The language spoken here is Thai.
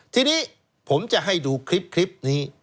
ทีนี้ผมจะให้ดูคลิปนี้